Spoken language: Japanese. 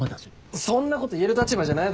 そんなこと言える立場じゃないだろ。